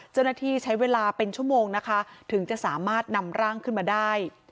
เจ้าหน้าที่ใช้เวลาเป็นชั่วโมงนะคะถึงจะสามารถนำร่างขึ้นมาได้